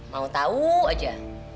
mau tahu aja